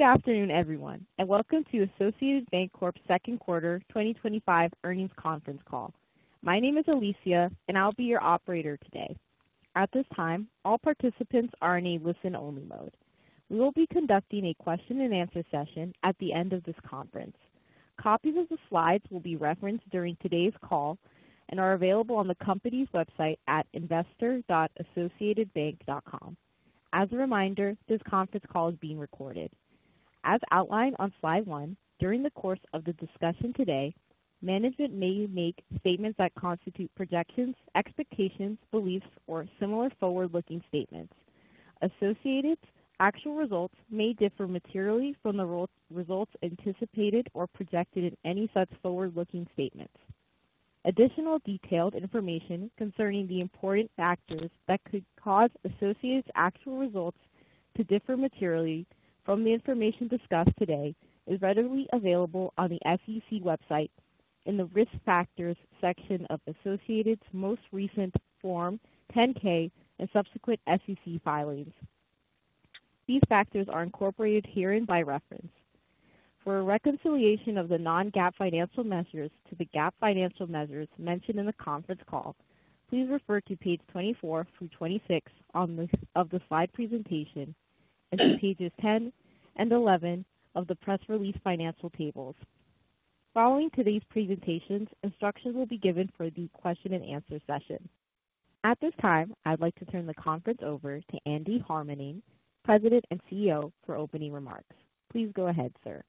Good afternoon, everyone, and welcome to Associated Bancorp's Second Quarter twenty twenty five Earnings Conference Call. My name is Alicia, and I'll be your operator today. At this time, all participants are in a listen only mode. We will be conducting a question and answer session at the end of this conference. Copies of the slides will be referenced during today's call and are available on the company's website at investor.investor.associatedbank.com. As a reminder, this conference call is being recorded. As outlined on Slide one, during the course of the discussion today, management may make statements that constitute projections, expectations, beliefs or similar forward looking statements. Associated's actual results may differ materially from the results anticipated or projected in any such forward looking statements. Additional detailed information concerning the important factors that could cause Associated's actual results to differ materially from the information discussed today is readily available on the SEC website in the Risk Factors section of Associated's most recent Form 10 ks and subsequent SEC filings. These factors are incorporated herein by reference. For a reconciliation of the non GAAP financial measures to the GAAP financial measures mentioned in the conference call, please refer to Page 24 through 26 of the slide presentation and to Pages ten and eleven of the press release financial tables. Following today's presentation, instructions will be given for the question and answer session. At this time, I'd like to turn the conference over to Andy Harmening, President and CEO for opening remarks. Please go ahead, sir.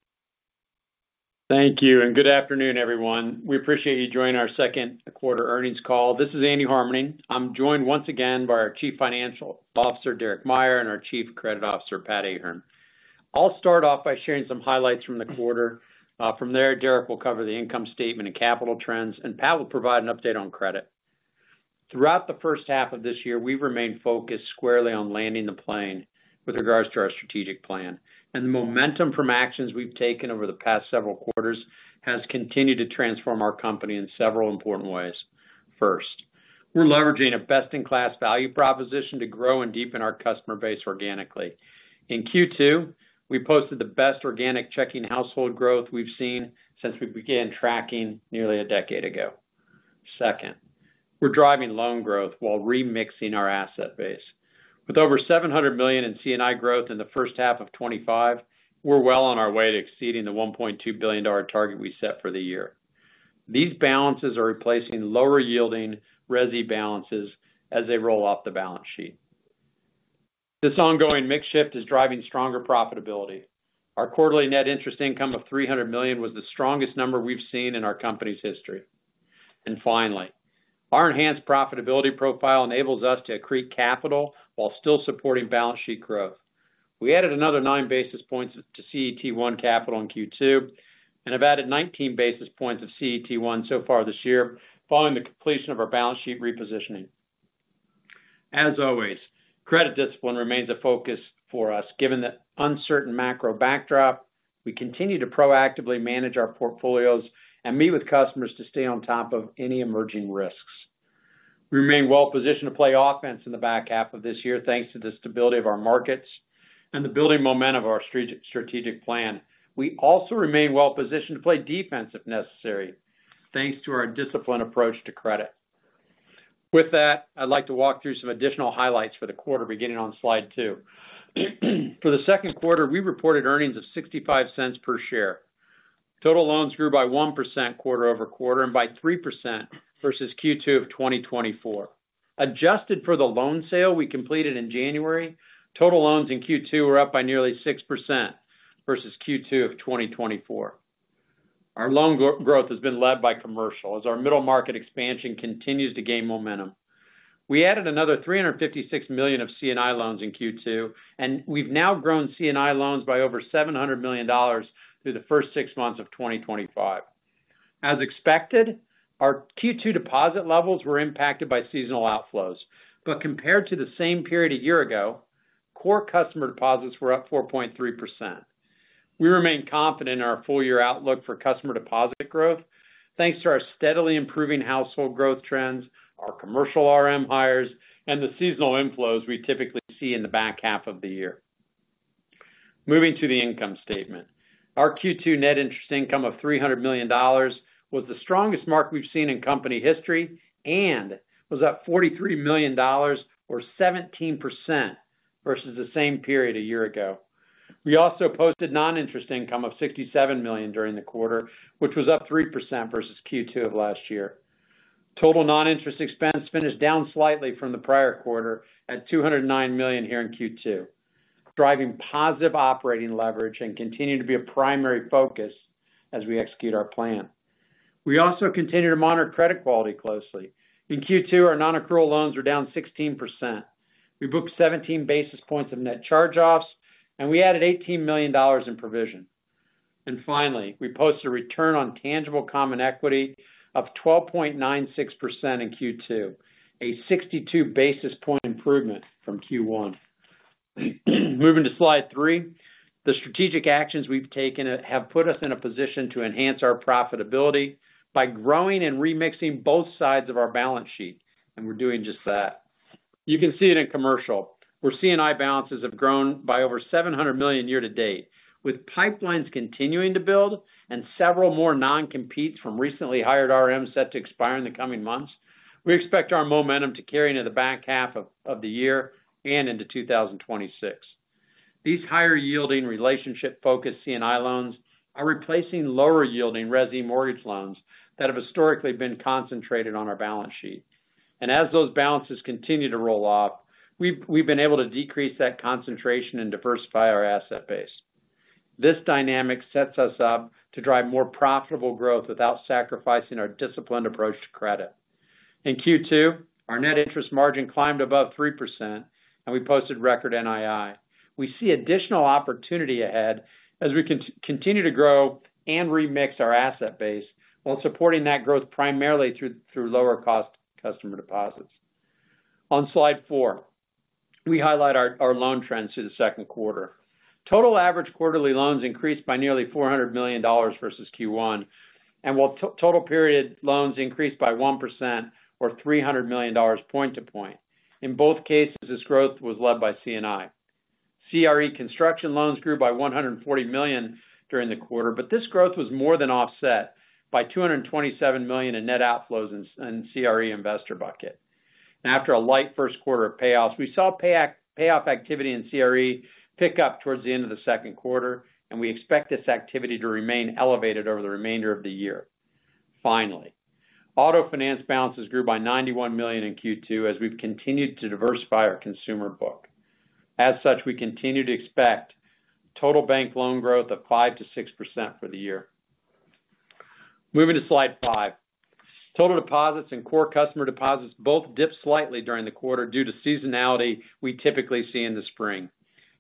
Thank you and good afternoon everyone. We appreciate you joining our second quarter earnings call. This is Andy Harmening. I'm joined once again by our Chief Financial Officer, Derek Meyer and our Chief Credit Officer, Pat Ahern. I'll start off by sharing some highlights from the quarter. From there, Derek will cover the income statement and capital trends and Pat will provide an update on credit. Throughout the first half of this year, we remain focused squarely on landing the plane with regards to our strategic plan and the momentum from actions we've taken over the past several quarters has continued to transform our company in several important ways. First, we're leveraging a best in class value proposition to grow and deepen our customer base organically. In Q2, we posted the best organic checking household growth we've seen since we began tracking nearly a decade ago. Second, we're driving loan growth while remixing our asset base. With over $700,000,000 in C and I growth in the first half of twenty twenty five, we're well on our way to exceeding the $1,200,000,000 target we set for the year. These balances are replacing lower yielding resi balances as they roll off the balance sheet. This ongoing mix shift is driving stronger profitability. Our quarterly net interest income of $300,000,000 was the strongest number we've seen in our company's history. And finally, our enhanced profitability profile enables us to accrete capital while still supporting balance sheet growth. We added another nine basis points to CET1 capital in Q2 and have added 19 basis points of CET1 so far this year following the completion of our balance sheet repositioning. As always, credit discipline remains a focus for us given the uncertain macro backdrop. We continue to proactively manage our portfolios and meet with customers to stay on top of any emerging risks. We remain well positioned to play offense in the back half of this year, thanks to the stability of our markets and the building momentum of our strategic plan. We also remain well positioned to play defense if necessary, thanks to our disciplined approach to credit. With that, I'd like to walk through some additional highlights for the quarter beginning on Slide two. For the second quarter, we reported earnings of zero six five dollars per share. Total loans grew by 1% quarter over quarter and by 3% versus Q2 of twenty twenty four. Adjusted for the loan sale we completed in January, total loans in Q2 were up by nearly 6% versus Q2 of twenty twenty four. Our loan growth has been led by commercial as our middle market expansion continues to gain momentum. We added another $356,000,000 of C and I loans in Q2 and we've now grown C and I loans by over $700,000,000 through the first six months of twenty twenty five. As expected, our Q2 deposit levels were impacted by seasonal outflows, but compared to the same period a year ago, core customer deposits were up 4.3%. We remain confident in our full year outlook for customer deposit growth, thanks to our steadily improving household growth trends, our commercial RM hires and the seasonal inflows we typically see in the back half of the year. Moving to the income statement. Our Q2 net interest income of $300,000,000 was the strongest mark we've seen in company history and was up $43,000,000 or 17% versus the same period a year ago. We also posted non interest income of $67,000,000 during the quarter, which was up 3% versus Q2 of last year. Total non interest expense finished down slightly from the prior quarter at $2.00 $9,000,000 here in Q2, driving positive operating leverage and continue to be a primary focus as we execute our plan. We also continue to monitor credit quality closely. In Q2, our non accrual loans were down 16%. We booked 17 basis points of net charge offs and we added $18,000,000 in provision. And finally, we posted a return on tangible common equity of 12.96% in Q2, a 62 basis point improvement from Q1. Moving to Slide three, the strategic actions we've taken have put us in a position to enhance our profitability by growing and remixing both sides of our balance sheet and we're doing just that. You can see it in commercial, where C and I balances have grown by over $700,000,000 year to date with pipelines continuing to build and several more non competes from recently hired RMs set to expire in the coming months. We expect our momentum to carry into the back half of the year and into 2026. These higher yielding relationship focused C and I loans are replacing lower yielding resi mortgage loans that have historically been concentrated on our balance sheet. And as those balances continue to roll off, we've been able to decrease that concentration and diversify our asset base. This dynamic sets us up to drive more profitable growth without sacrificing our disciplined approach to credit. In Q2, our net interest margin climbed above 3% and we posted record NII. We see additional opportunity ahead as we continue to grow and remix our asset base while supporting that growth primarily through lower cost customer deposits. On Slide four, we highlight our loan trends through the second quarter. Total average quarterly loans increased by nearly 400,000,000 versus Q1 and while total period loans increased by 1% or $300,000,000 point to point. In both cases, this growth was led by C and I. CRE construction loans grew by $140,000,000 during the quarter, but this growth was more than offset by $227,000,000 investor bucket. And after a light first quarter of payoffs, we saw payoff activity in CRE pick up towards the end of the second quarter and we expect this activity to remain elevated over the remainder of the year. Finally, auto finance balances grew by $91,000,000 in Q2 as we've continued to diversify our consumer book. As such, we continue to expect total bank loan growth of 5% to 6% for the year. Moving to Slide five, total deposits and core customer deposits both dipped slightly during the quarter due to seasonality we typically see in the spring.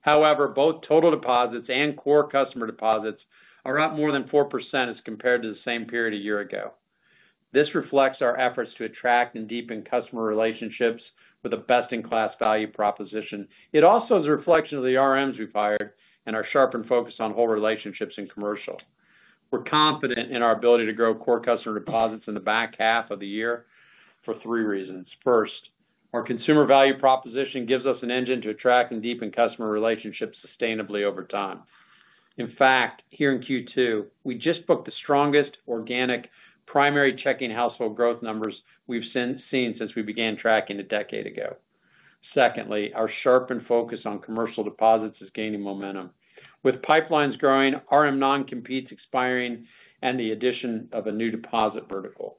However, both total deposits and core customer deposits are up more than 4% as compared to the same period a year ago. This reflects our efforts to attract and deepen customer relationships with a best in class value proposition. It also is a reflection of the RMs we've hired and our sharpened focus on whole relationships in commercial. We're confident in our ability to grow core customer deposits in the back half of the year for three reasons. First, our consumer value proposition gives us an engine to attract and deepen customer relationships sustainably over time. In fact, here in Q2, we just booked the strongest organic primary checking household growth numbers we've seen since we began tracking a decade ago. Secondly, our sharpened focus on commercial deposits is gaining momentum. With pipelines growing, RM non competes expiring and the addition of a new deposit vertical.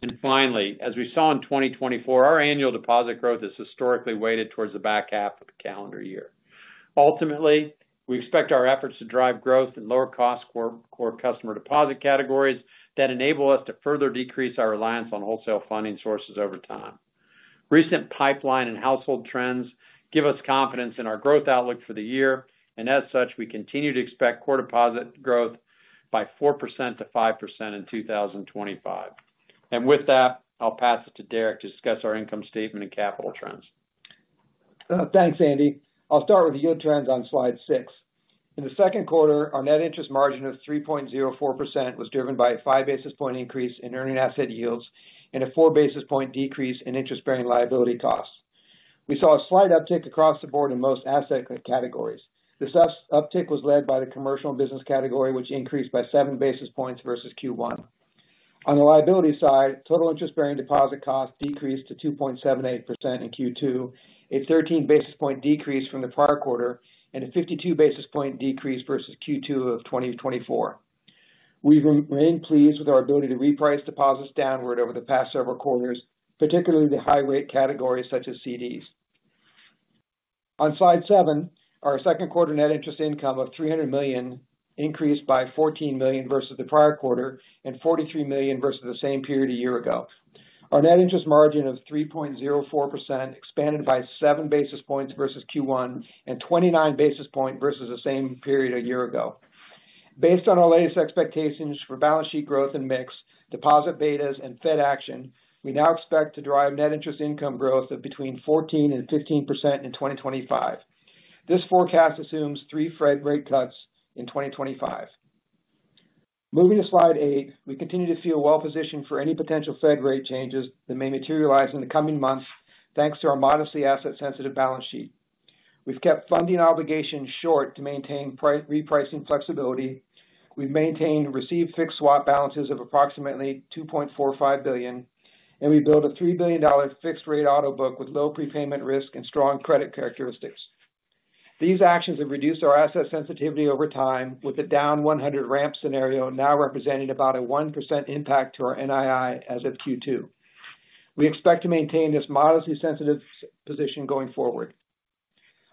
And finally, as we saw in 2024, our annual deposit growth is historically weighted towards the back half of the calendar year. Ultimately, we expect our efforts to drive growth in lower cost core customer deposit categories that enable us to further decrease our reliance on wholesale funding sources over time. Recent pipeline and household trends give us confidence in our growth outlook for the year and as such, we continue to expect core deposit growth by 4% to 5% in 2025. And with that, I'll pass it to Derek to discuss our income statement and capital trends. Thanks, Andy. I'll start with yield trends on Slide six. In the second quarter, our net interest margin of 3.04% was driven by a five basis point increase in earning asset yields and a four basis point decrease in interest bearing liability costs. We saw a slight uptick across the board in most asset categories. This uptick was led by the commercial business category, which increased by seven basis points versus Q1. On the liability side, total interest bearing deposit costs decreased to 2.78 in Q2, a 13 basis point decrease from the prior quarter and a 52 basis point decrease versus Q2 of twenty twenty four. We remain pleased with our ability to reprice deposits downward over the past several quarters, particularly the high rate categories such as CDs. On Slide seven, our second quarter net interest income of $300,000,000 increased by $14,000,000 versus the prior quarter and $43,000,000 versus the same period a year ago. Our net interest margin of 3.04% expanded by seven basis points versus Q1 and 29 basis point versus the same period a year ago. Based on our latest expectations for balance sheet growth and mix, deposit betas and Fed action, we now expect to drive net interest income growth of between 1415% in 2025. This forecast assumes three Fed rate cuts in 2025. Moving to Slide eight, we continue to feel well positioned for any potential Fed rate changes that may materialize in the coming months, thanks to our modestly asset sensitive balance sheet. We've kept funding obligations short to maintain repricing flexibility. We've maintained received fixed swap balances of approximately $2,450,000,000 and we built a $3,000,000,000 fixed rate auto book with low prepayment risk and strong credit characteristics. These actions have reduced our asset sensitivity over time with a down 100 ramp scenario now representing about a 1% impact to our NII as of Q2. We expect to maintain this modestly sensitive position going forward.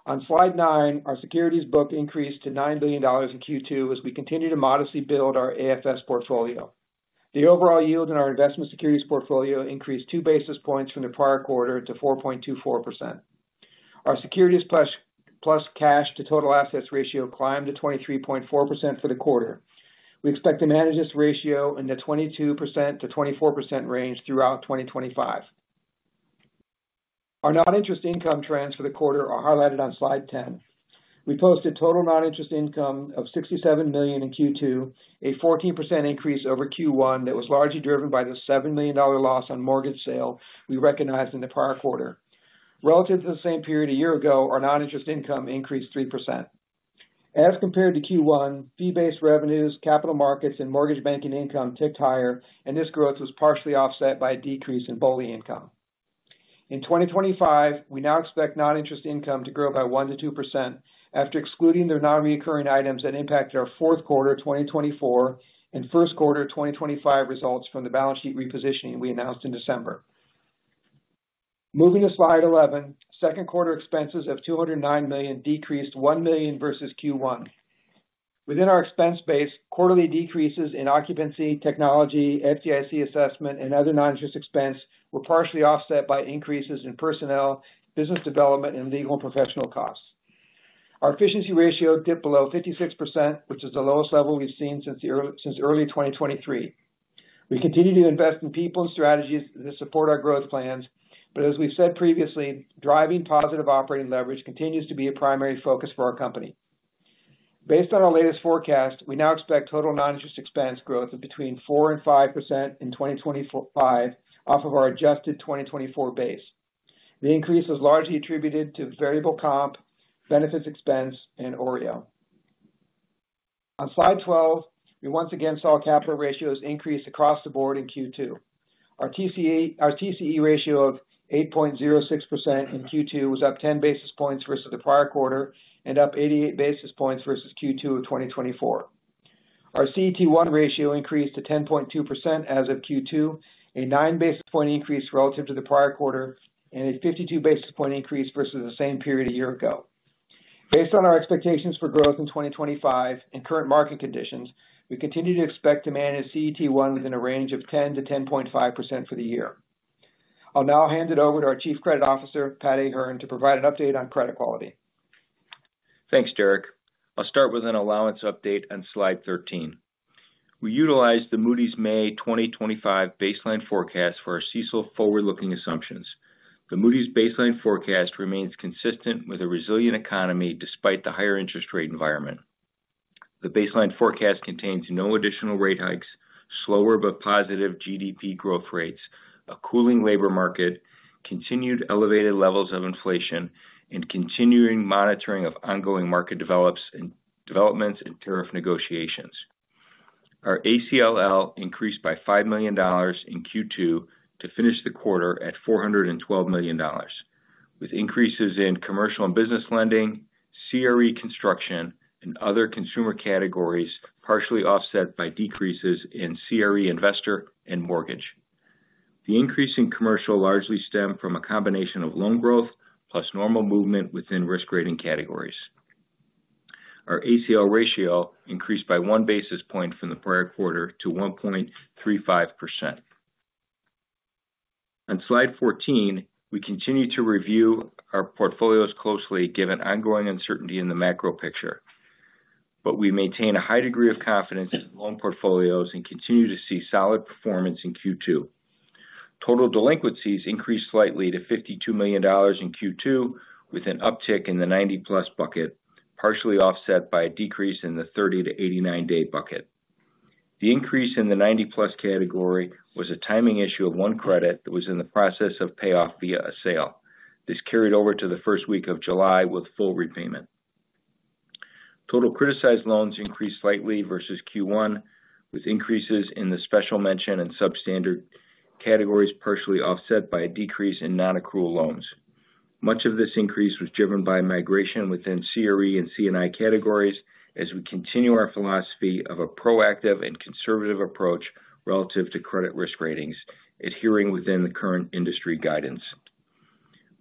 On Slide nine, our securities book increased to $9,000,000,000 in Q2 as we continue to modestly build our AFS portfolio. The overall yield in our investment securities portfolio increased two basis points from the prior quarter to 4.24%. Our securities plus cash to total assets ratio climbed to 23.4% for the quarter. We expect to manage this ratio in the 22% to 24 range throughout 2025. Our non interest income trends for the quarter are highlighted on Slide 10. We posted total non interest income of $67,000,000 in Q2, a 14% increase over Q1 that was largely driven by the $7,000,000 loss on mortgage sale we recognized in the prior quarter. Relative to the same period a year ago, our non interest income increased 3%. As compared to Q1, fee based revenues, capital markets and mortgage banking income ticked higher and this growth was partially offset by a decrease in BOLI income. In 2025, we now expect non interest income to grow by 1% to 2% after excluding the nonrecurring items that impacted our fourth quarter twenty twenty four and first quarter twenty twenty five results from the balance sheet repositioning we announced in December. Moving to Slide 11. Second quarter expenses of $2.00 $9,000,000 decreased $1,000,000 versus Q1. Within our expense base, quarterly decreases in occupancy, technology, FDIC assessment and other non interest expense were partially offset by increases in personnel, business development and legal and professional costs. Our efficiency ratio dipped below 56%, which is the lowest level we've seen since early twenty twenty three. We continue to invest in people and strategies to support our growth plans. But as we've said previously, driving positive operating leverage continues to be a primary focus for our company. Based on our latest forecast, we now expect total non interest expense growth of between 45% in 2025 off of our adjusted 2024 base. The increase was largely attributed to variable comp, benefits expense and OREO. On Slide 12, we once again saw capital ratios increase across the board in Q2. Our TCE ratio of 8.06% in Q2 was up 10 basis points versus the prior quarter and up 88 basis points versus Q2 of twenty twenty four. Our CET1 ratio increased to 10.2% as of Q2, a nine basis point increase relative to the prior quarter and a 52 basis point increase versus the same period a year ago. Based on our expectations for growth in 2025 and current market conditions, we continue to expect demand in CET1 within a range of 10% to 10.5% for the year. I'll now hand it over to our Chief Credit Officer, Pat Ahern to provide an update on credit quality. Thanks, Derek. I'll start with an allowance update on Slide 13. We utilized the Moody's May 2025 baseline forecast for our CECL forward looking assumptions. The Moody's baseline forecast remains consistent with a resilient economy despite the higher interest rate environment. The baseline forecast contains no additional rate hikes, slower but positive GDP growth rates, a cooling labor market, continued elevated levels of inflation and continuing monitoring of ongoing market developments and tariff negotiations. Our ACLL increased by $5,000,000 in Q2 to finish the quarter at $412,000,000 with increases in commercial and business lending, CRE construction and other consumer categories partially offset by decreases in CRE investor and mortgage. The increase in commercial largely stemmed from a combination of loan growth plus normal movement within risk rating categories. Our ACL ratio increased by one basis point from the prior quarter to 1.35%. On Slide 14, we continue to review our portfolios closely given ongoing uncertainty in the macro picture, but we maintain a high degree of confidence in loan portfolios and continue to see solid performance in Q2. Total delinquencies increased slightly to $52,000,000 in Q2 with an uptick in the 90 plus bucket, partially offset by a decrease in the thirty to eighty nine day bucket. The increase in the 90 plus category was a timing issue of one credit that was in the process of payoff via a sale. This carried over to the July with full repayment. Total criticized loans increased slightly versus Q1 with increases in the special mention and substandard categories partially offset by a decrease in nonaccrual loans. Much of this increase was driven by migration within CRE and C and I categories as we continue our philosophy of a proactive and conservative approach relative to credit risk ratings adhering within the current industry guidance.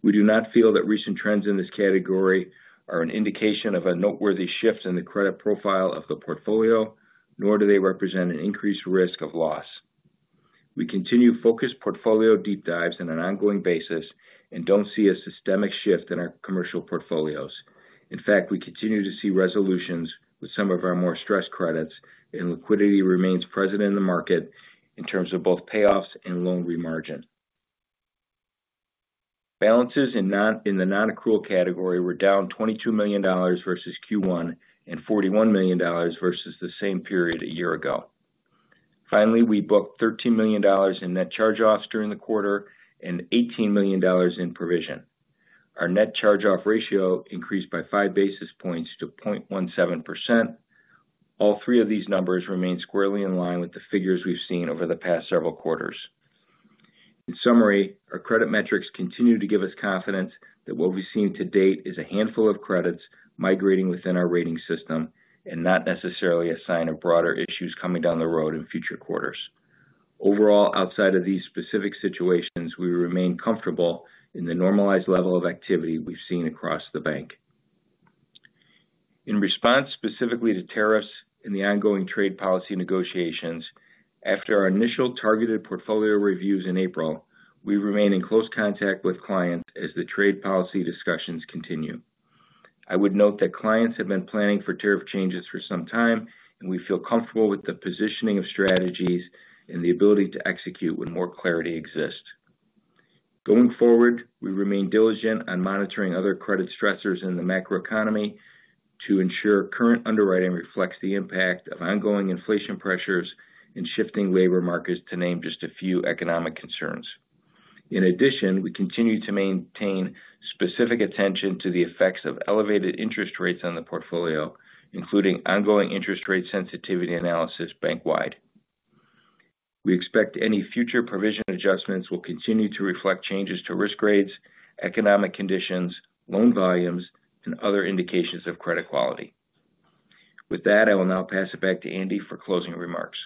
We do not feel that recent trends in this category are an indication of a noteworthy shift in the credit profile of the portfolio, nor do they represent an increased risk of loss. We continue focused portfolio deep dives in an ongoing basis and don't see a systemic shift in our commercial portfolios. In fact, we continue to see resolutions with some of our more stressed credits and liquidity remains present in the market in terms of both payoffs and loan re margin. Balances in the non accrual category were down $22,000,000 versus Q1 and $41,000,000 versus the same period a year ago. Finally, we booked $13,000,000 in net charge offs during the quarter and $18,000,000 in provision. Our net charge off ratio increased by five basis points to 0.17%. All three of these numbers remain squarely in line with the figures we've seen over the past several quarters. In summary, our credit metrics continue to give us confidence that what we've seen to date is a handful of credits migrating within our rating system and not necessarily a sign of broader issues coming down the road in future quarters. Overall, outside of these specific situations, we remain comfortable in the normalized level of activity we've seen across the bank. In response specifically to tariffs and the ongoing trade policy negotiations, after our initial targeted portfolio reviews in April, we remain in close contact with clients as the trade policy discussions continue. I would note that clients have been planning for tariff changes for some time, and we feel comfortable with the positioning of strategies and the ability to execute when more clarity exists. Going forward, we remain diligent on monitoring other credit stressors in the macro economy to ensure current underwriting reflects the impact of ongoing inflation pressures and shifting labor markets to name just a few economic concerns. In addition, we continue to maintain specific attention to the effects of elevated interest rates on the portfolio, including ongoing interest rate sensitivity analysis bank wide. We expect any future provision adjustments will continue to reflect changes to risk rates, economic conditions, loan volumes and other indications of credit quality. With that, I will now pass it back to Andy for closing remarks.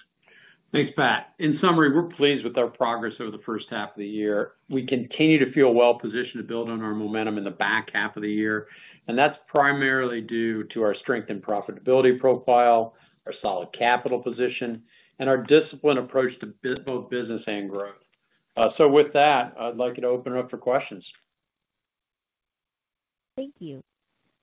Thanks Pat. In summary, we're pleased with our progress over the first half of the year. We continue to feel well positioned to build on our momentum in the back half of the year and that's primarily due to our strength and profitability profile, our solid capital position and our disciplined approach to both business and growth. So with that, I'd like to open it up for questions. Thank you.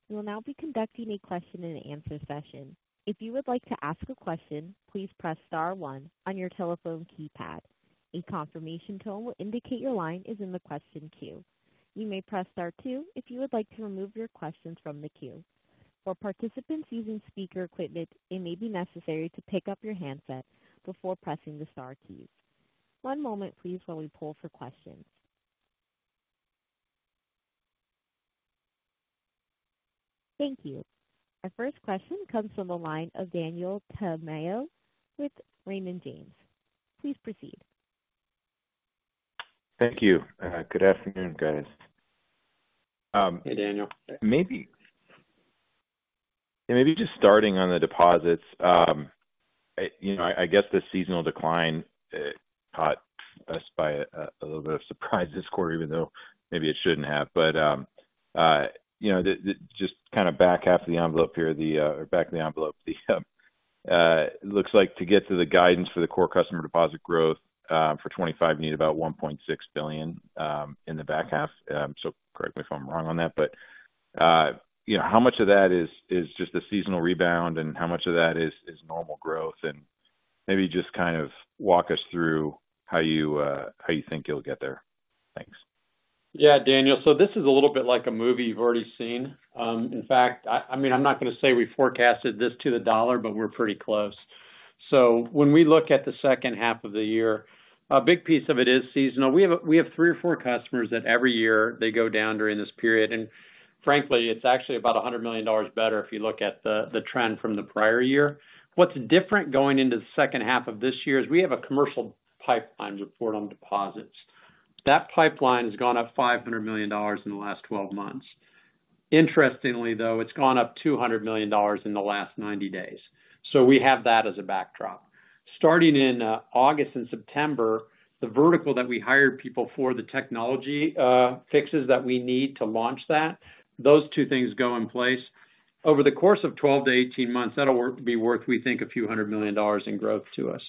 We will now be conducting a question and answer session. Session. Our first question comes from the line of Daniel Tamayo with Raymond James. Please proceed. Thank you. Good afternoon, guys. Hey, Daniel. Maybe just starting on the deposits, I guess the seasonal decline caught us by a little bit of surprise this quarter, even though maybe it shouldn't have. But just kind of back half of the envelope here, back of the envelope, looks like to get to the guidance for the core customer deposit growth for '25, you need about $1,600,000,000 in the back half. So correct me if I'm wrong on that. But how much of that is just the seasonal rebound and how much of that is normal growth and maybe just kind of walk us through how you think you'll get there? Thanks. Yes, Daniel. So this is a little bit like a movie you've already seen. In fact, I mean, I'm not going to say we forecasted this to the dollar, but we're pretty close. So when we look at the second half of the year, a big piece of it is seasonal. Have three or four customers that every year they go down during this period. And frankly, it's actually about $100,000,000 better if you look at the trend from the prior year. What's different going into the second half of this year is we have a commercial pipeline report on deposits. That pipeline has gone up $500,000,000 in the last twelve months. Interestingly though, it's gone up $200,000,000 in the last ninety days. So we have that as a backdrop. Starting in August and September, the vertical that we hired people for the technology fixes that we need to launch that, those two things go in place. Over the course of twelve to eighteen months, that will be worth we think a few $100,000,000 in growth to us.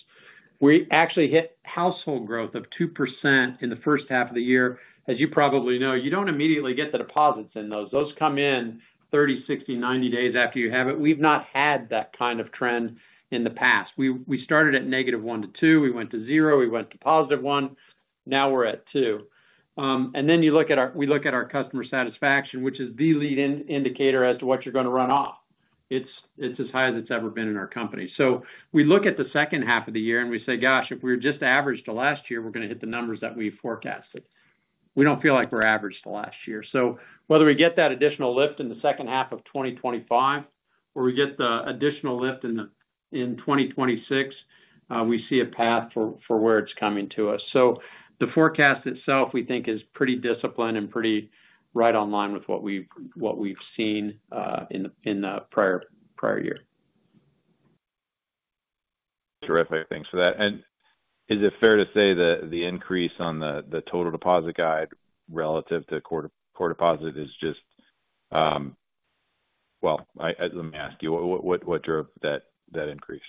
We actually hit household growth of 2% in the first half of the year. As you probably know, you don't immediately get the deposits in those. Those come in thirty, sixty, ninety days after you have it. We've not had that kind of trend in the past. We started at negative one to two, we went to zero, we went to positive one, now we're at two. And then you look at our we look at our customer satisfaction, which is the leading indicator as to what you're going to run off. It's as high as it's ever been in our company. So we look at the second half of the year and we say, gosh, if we're just average to last year, we're going to hit the numbers that we forecasted. We don't feel like we're average to last year. So whether we get that additional lift in the 2025 or we get the additional lift in 2026, we see a path for where it's coming to us. So the forecast itself we think is pretty disciplined and pretty right on line with what we've seen in the prior year. Terrific. Thanks for that. And is it fair to say that the increase on the total deposit guide relative to core deposit is just well, let me ask you, what drove that increase?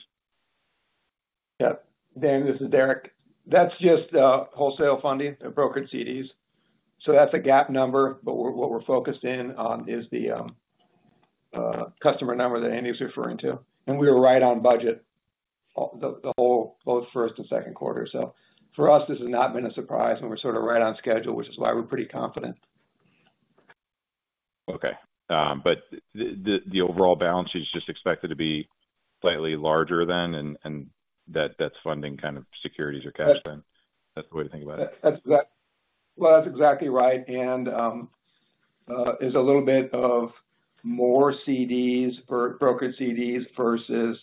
Dan, this is Derek. That's just wholesale funding, brokered CDs. So that's a GAAP number, but what we're focusing on is the customer number that Andy is referring to. And we were right on budget, the whole both first and second quarter. So for us, this has not been a surprise and we're sort of right on schedule, is why we're pretty confident. Okay. But the overall balance sheet is just expected to be slightly larger than and that's funding kind of securities or cash That's the way to think about it? That's exactly right. And is a little bit of more CDs, brokered CDs versus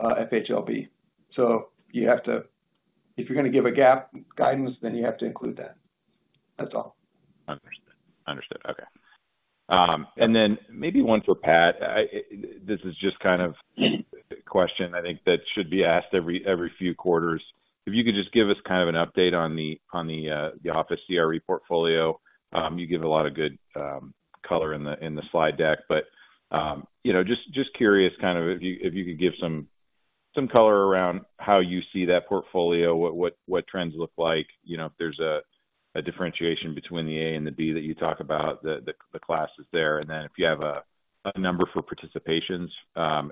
FHLB. So you have to if you're going to give a GAAP guidance, then you have to include that. That's all. Understood. Understood. Okay. And then maybe one for Pat. This is just kind of a question I think that should be asked every few quarters. If you could just give us kind of an update on the office CRE portfolio. You gave a lot of good color in the slide deck. But just curious kind of if you could give some color around how you see that portfolio, what trends look like, if there's a differentiation between the A and the B that you talk about, the classes there? And then if you have a number for participations,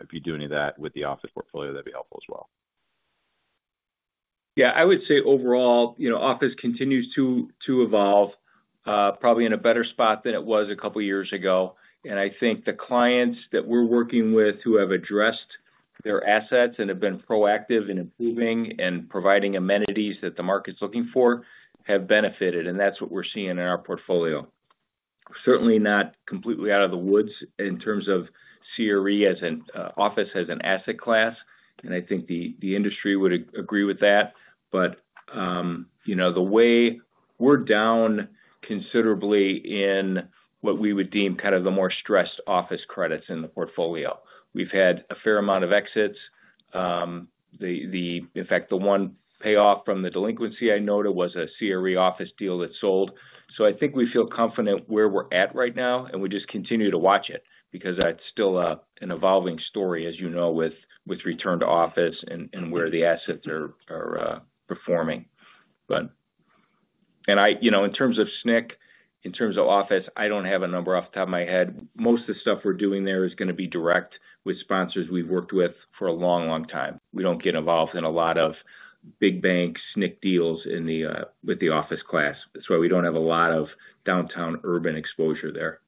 if you do any of that with the office portfolio, that would be helpful as well. Yes. I would say, overall, office continues to evolve, probably in a better spot than it was a couple of years ago. And I think the clients that we're working with who have addressed their assets and have been proactive in improving and providing amenities that the market is looking for have benefited and that's what we're seeing in our portfolio. Certainly not completely out of the woods in terms of CRE as an office as an asset class. And I think the industry would agree with that. But the way we're down considerably in what we would deem kind of the more stressed office credits in the portfolio. We've had a fair amount of exits. In fact, the one payoff from the delinquency I noted was a CRE office deal that sold. So I think we feel confident where we're at right now and we just continue to watch it because that's still an evolving story as you know with return to office and where the assets are performing. And I in terms of SNC, in terms of office, I don't have a number off the top of my head. Most of the stuff we're doing there is going to be direct with sponsors we've worked with for a long, long time. We don't get involved in a lot of big banks, NIC deals in the with the office class. That's why we don't have a lot of downtown urban exposure there.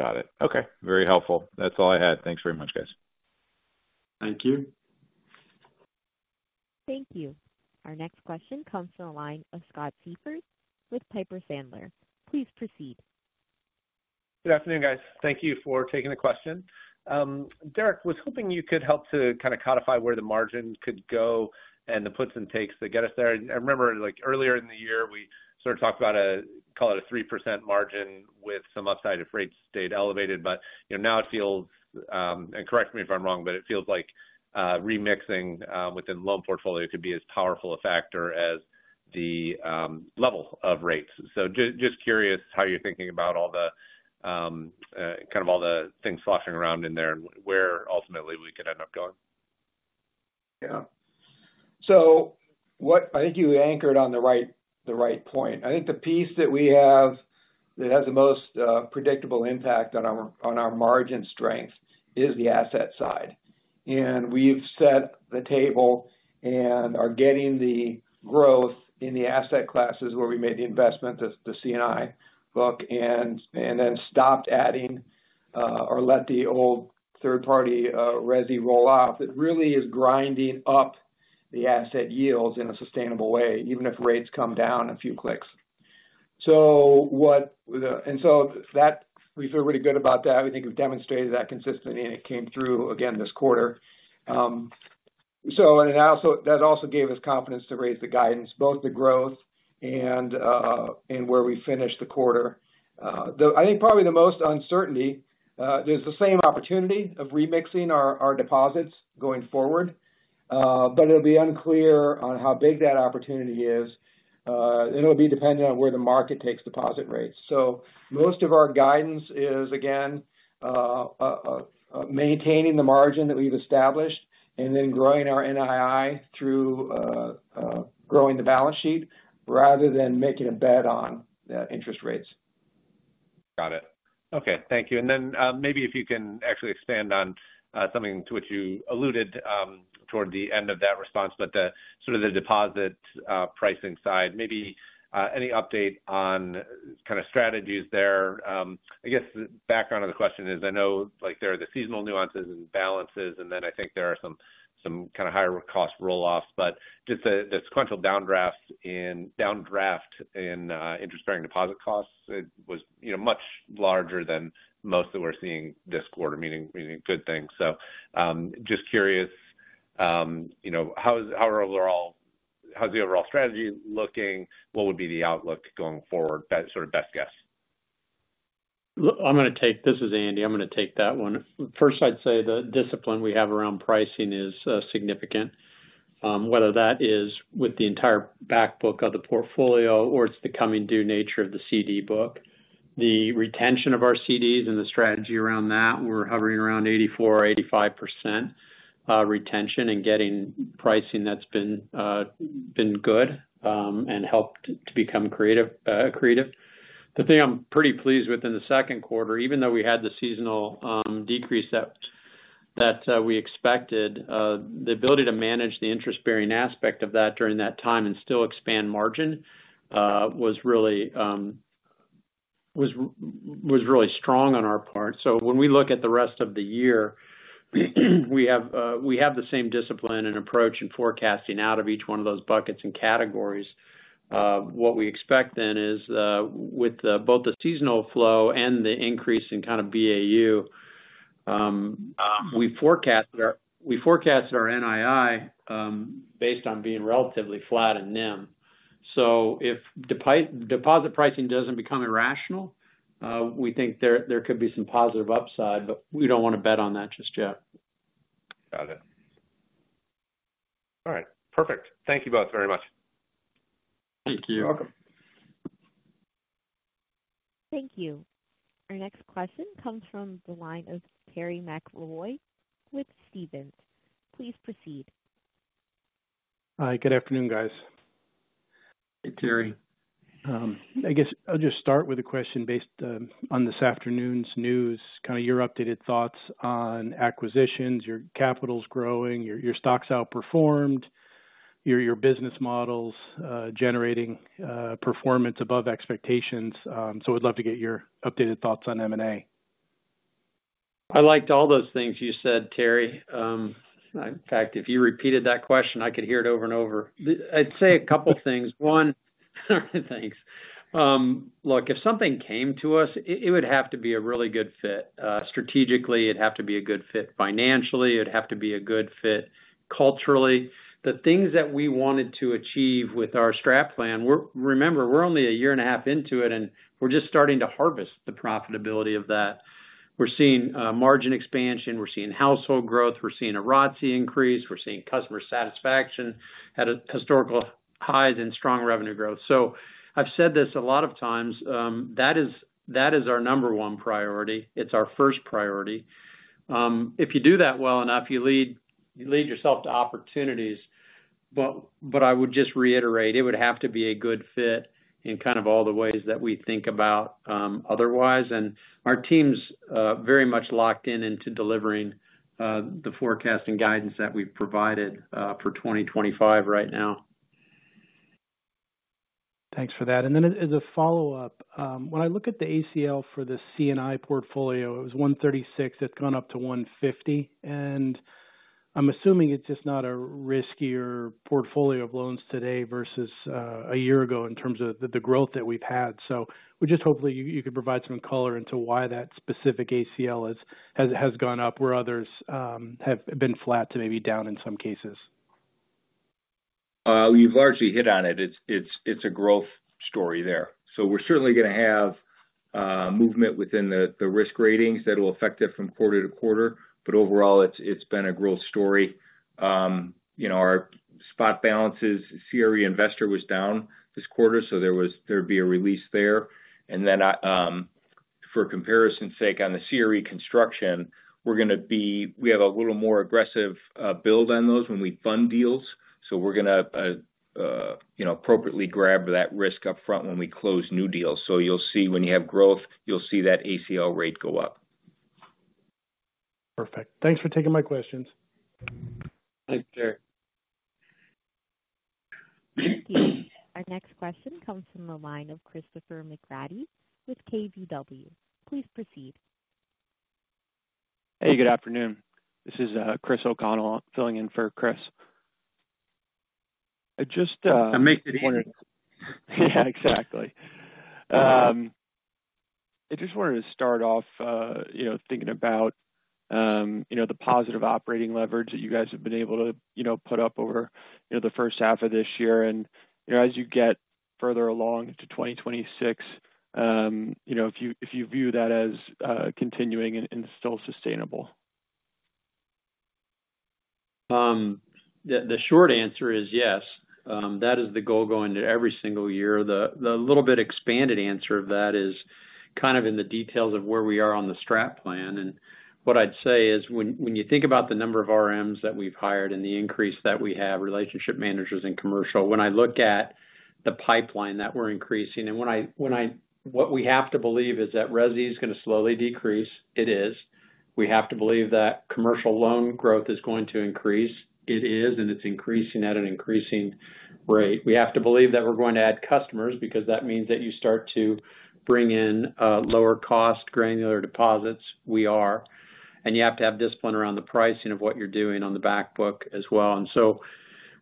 Got it. Okay, very helpful. That's all I had. Thanks very much guys. Thank you. Thank you. Our next question comes from the line of Scott Seifert with Piper Sandler. Please proceed. Good afternoon, guys. Thank you for taking the question. Derek, I was hoping you could help to kind of codify where the margin could go and the puts and takes that get us there. I remember like earlier in the year, we sort of talked about a, call it, a 3% margin with some upside if rates stayed elevated. But now it feels and correct me if I'm wrong, but it feels like remixing within loan portfolio could be as powerful a factor as the level of rates. So just curious how you're thinking about all the kind of all the things sloshing around in there and where ultimately we could end up going? Yes. So what I think you anchored on the right point. I think the piece that we have that has the most predictable impact on our margin strength is the asset side. And we've set the table and are getting the growth in the asset classes where we made the investment, the C and I book and then stopped adding or let the old third party resi roll off. It really is grinding up the asset yields in a sustainable way even if rates come down a few clicks. So what and so that we feel really good about that. We think we've demonstrated that consistently and it came through again this quarter. So and that also gave us confidence to raise the guidance, both the growth and where we finished the quarter. I think probably the most uncertainty, there's the same opportunity of remixing our deposits going forward, but it will be unclear on how big that opportunity is. It'll be dependent on where the market takes deposit rates. So most of our guidance is, again, maintaining the margin that we've established and then growing our NII through growing the balance sheet rather than making a bet on interest rates. Got it. Okay. Thank you. And then maybe if you can actually expand on something to what you alluded toward the end of that response, sort of the deposit pricing side, maybe any update on kind of strategies there? I guess, the background of the question is, I know like there are the seasonal nuances and balances and then I think there are some kind of higher cost roll offs, but just the sequential downdraft in interest bearing deposit costs was much larger than most that we're seeing this quarter, good things. So, just curious, how is the overall strategy looking? What would be the outlook going forward? That sort of best guess. I'm going to take this is Andy. I'm going to take that one. First, I'd say the discipline we have around pricing is significant. Whether that is with the entire back book of the portfolio or it's the coming due nature of the CD book. The retention of our CDs and the strategy around that, we're hovering around 84%, 85% retention and getting pricing that's been good and helped to become accretive. The thing I'm pretty pleased with in the second quarter, even though we had the seasonal decrease that we expected, the ability to manage the interest bearing aspect of that during that time and still expand margin was really strong on our part. So when we look at the rest of the year, we have the same discipline and approach in forecasting out of each one of those buckets and categories. What we expect then is with both the seasonal flow and the increase in kind of BAU, We forecast our NII based on being relatively flat in NIM. So if deposit pricing doesn't become irrational, we think there could be some positive upside, but we don't want to bet on that just yet. Got it. All right, perfect. Thank you both very much. Thank you. You're welcome. Thank you. Our next question comes from the line of Terry McElroy with Stephens. Please proceed. Hi, good afternoon guys. Hey Terry. I guess I'll just start with a question based on this afternoon's news, kind of your updated thoughts on acquisitions, your capital is growing, your stocks outperformed, your business models generating performance above expectations. So I'd love to get your updated thoughts on M and A. I liked all those things you said, Terry. In fact, you repeated that question, I could hear it over and over. I'd say a couple of things. One, thanks. Look, if something came to us, it would have to be a really good fit. Strategically, it'd have to be a good fit financially, it'd have to be a good fit culturally. The things that we wanted to achieve with our strap plan, remember we're only a year and a half into it and we're just starting to harvest the profitability of that. We're seeing margin expansion, we're seeing household growth, we're seeing a ROTCE increase, we're seeing customer satisfaction at historical highs and strong revenue growth. So I've said this a lot of times, that is our number one priority. It's our first priority. If you do that well enough, lead yourself to opportunities. But I would just reiterate, it would have to be a good fit in kind of all the ways that we think about otherwise. And our team's very much locked in into delivering the forecast and guidance that we've provided for 2025 right now. Thanks for that. And then as a follow-up, when I look at the ACL for the C and I portfolio, it was 136,000,000 it's gone up to 150,000,000 And I'm assuming it's just not a riskier portfolio of loans today versus a year ago in terms of the growth that we've had. So we just hopefully you could provide some color into why that specific ACL has gone up where others have been flat to maybe down in some cases? You've largely hit on it. It's a growth story there. So we're certainly going to have movement within the risk ratings that will affect it from quarter to quarter. But overall, it's been a growth story. Our spot balances CRE investor was down this quarter, so there was there'd be a release there. And then, for comparison's sake on the CRE construction, we're going to be we have a little more aggressive build on those when we fund deals. So we're going to appropriately grab that risk upfront when we close new deals. So you'll see when you have growth, you'll see that ACL rate go up. Perfect. Thanks for taking my questions. Thanks, Jerry. Our next question comes from the line of Christopher McGratty with KBW. Please proceed. Hey, good afternoon. This is Chris O'Connell filling in for Chris. Just I make it easier. Yes, exactly. I just wanted to start off thinking about the positive operating leverage that you guys have been able to put up over the first half of this year and as you get further along into 2026, if you view that as continuing and still sustainable? The short answer is yes. That is the goal going to every single year. The little bit expanded answer of that is kind of in the details of where we are on the strat plan. And what I'd say is when you think about the number of RMs that we've hired and the increase that we have relationship managers and commercial, when I look at the pipeline that we're increasing and when I what we have to believe is that resi is going to slowly decrease, it is. We have to believe that commercial loan growth is going to increase, it is and it's increasing at an increasing rate. We have to believe that we're going to add customers because that means that you start to bring in lower cost granular deposits, we are. And you have to have discipline around the pricing of what you're doing on the back book as well. And so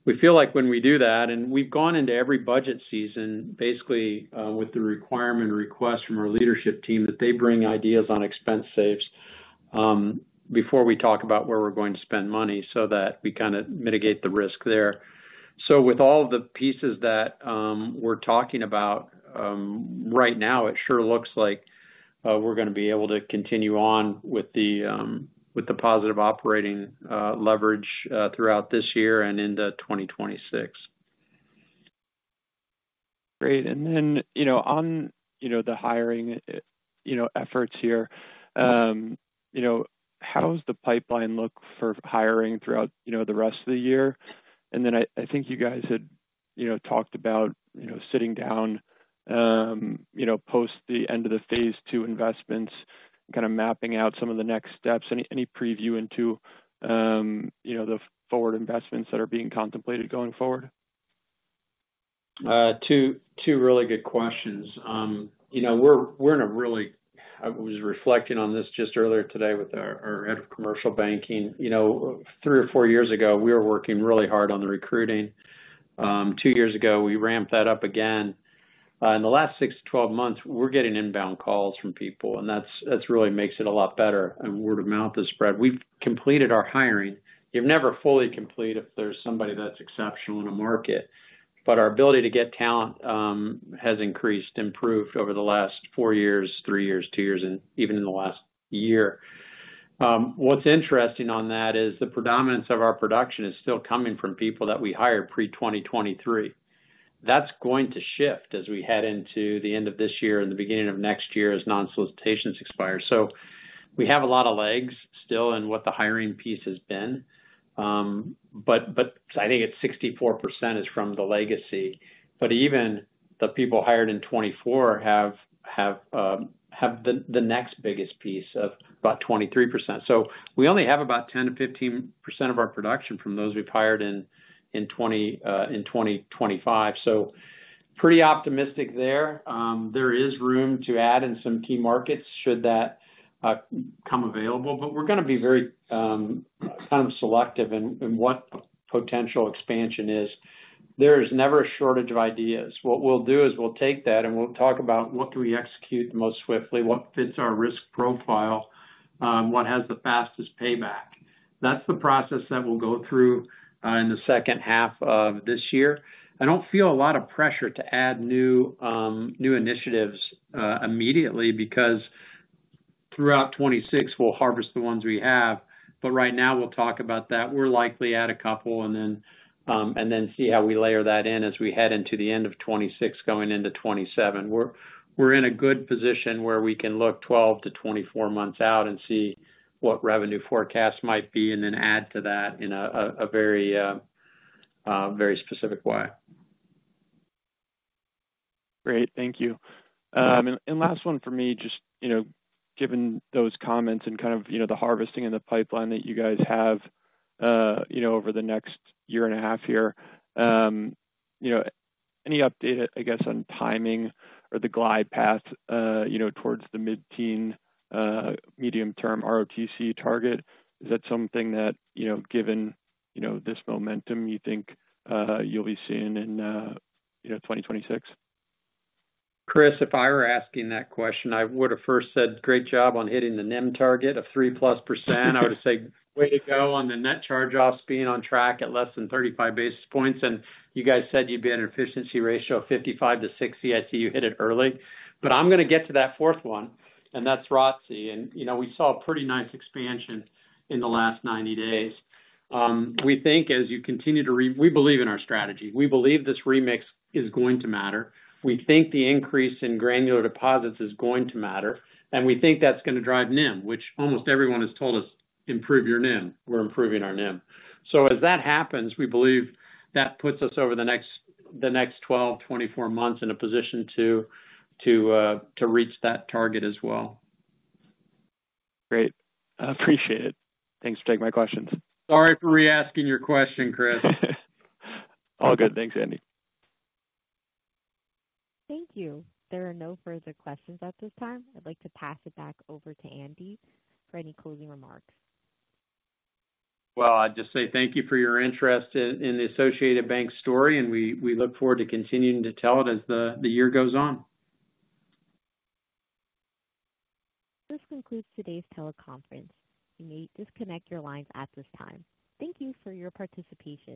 we feel like when we do that and we've gone into every budget season basically with the requirement request from our leadership team that they bring ideas on expense saves before we talk about where we're going to spend money so that we kind of mitigate the risk there. So with all the pieces that we're talking about right now, it sure looks like we're going to be able to continue on with the positive operating leverage throughout this year and into 2026. Great. And then on the hiring efforts here, how does the pipeline look for hiring throughout the rest of the year? And then I think you guys had talked about sitting down post the end of the Phase two investments, kind of mapping out some of the next steps? Any preview into the forward investments that are being contemplated going forward? Two really good questions. We're in a really I was reflecting on this just earlier today with our Head of Commercial Banking. Three or four years ago, we were working really hard on the recruiting. Two years ago, we ramped that up again. In the last six, twelve months, we're getting inbound calls from people and that's really makes it a lot better and word-of-mouth is spread. We've completed our hiring. You've never fully complete if there's somebody that's exceptional in a market, but our ability to get talent has increased, improved over the last four years, three years, two years and even in the last year. What's interesting on that is the predominance of our production is still coming from people that we hire pre-twenty twenty three. That's going to shift as we head into the end of this year and the beginning of next year non solicitations expire. So we have a lot of legs still and what the hiring piece has been. But I think it's 64% is from the legacy, but even the people hired in 2024 the next biggest piece of about 23%. So we only have about 10% to 15% of our production from those we've hired in 2025. So pretty optimistic there. There is room to add in some key markets should that come available, but we're going to be very kind of selective in what potential expansion is. There is never a shortage of ideas. What we'll do is we'll take that and we'll talk about what do we execute most swiftly, what fits our risk profile, what has the fastest payback. That's the process that we'll go through in the second half of this year. I don't feel a lot of pressure to add new initiatives immediately because throughout 2026, we'll harvest the ones we have. But right now, we'll talk about that. We'll likely add a couple and then see how we layer that in as we head into the 2026 going into 2027. We're in a good position where we can look twelve to twenty four months out and see what revenue forecast might be and then add to that in a very specific way. Great. Thank you. And last one for me, just given those comments and kind of the harvesting in the pipeline that you guys have over the next year and a half year. Any update, I guess, on timing or the glide path towards the mid teen medium term ROTC target? Is that something that given this momentum you think you'll be seeing in 2026? Chris, if I were asking that question, would have first said great job on hitting the NIM target of three plus percent. I would say way to go on the net charge offs being on track at less than 35 basis points. And you guys said you'd be at an efficiency ratio of 55 to 60. I see you hit it early. But I'm going to get to that fourth one and that's ROTCE. And we saw a pretty nice expansion in the last ninety days. We think as you continue to we believe in our strategy. We believe this remix is going to matter. We think the increase in granular deposits is going to matter. And we think that's going to drive NIM, which almost everyone has told us improve your NIM, we're improving our NIM. So as that happens, we believe that puts us over the next twelve months, twenty four months in a position to reach that target as well. Great. I appreciate it. Thanks for taking my questions. Sorry for re asking your question, Chris. All good. Thanks, Andy. Thank you. There are no further questions at this time. I'd like to pass it back over to Andy for any closing remarks. Well, I'd just say thank you for your interest in the Associated Bank story and we look forward to continuing to tell it as the year goes on. This concludes today's teleconference. You may disconnect your lines at this time. Thank you for your participation.